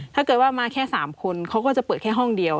ถ้าเกิดว่ามาแค่๓คนเขาก็จะเปิดแค่ห้องเดียว